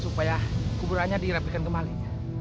supaya kuburannya direplikan kembali